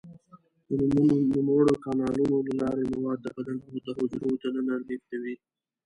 د نوموړو کانالونو له لارې مواد د بدن د حجرو دننه لیږدوي.